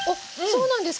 そうなんです。